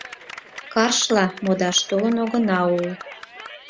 Каршла модаш толын огына ул.